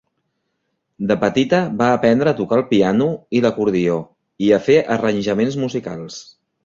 De petita va aprendre a tocar el piano i l'acordió, i a fer arranjaments musicals.